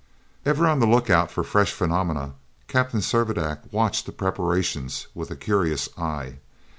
Ever on the lookout for fresh phenomena, Captain Servadac watched the preparations with a curious eye.